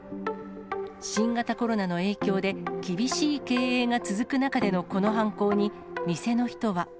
新型コロナの影響で、厳しい経営が続く中でのこの犯行に、店の人は。